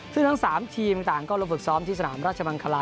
ซึ่งทั้ง๓ทีมต่างก็ลงฝึกซ้อมที่สนามราชมังคลา